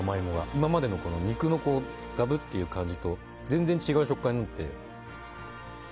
今までの肉のガブッていう感じと全然違う食感になって。